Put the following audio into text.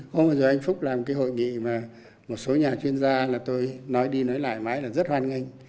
hôm bây giờ anh phúc làm cái hội nghị mà một số nhà chuyên gia là tôi nói đi nói lại mãi là rất hoan nghênh